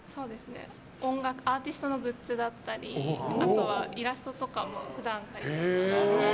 アーティストのグッズだったりあとはイラストとかも普段描いてます。